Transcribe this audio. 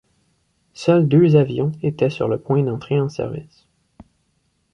Seuls deux avions étaient sur le point d'entrer en service.